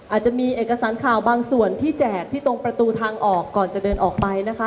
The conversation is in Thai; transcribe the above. อาจจะมีเอกสารข่าวบางส่วนที่แจกที่ตรงประตูทางออกก่อนจะเดินออกไปนะคะ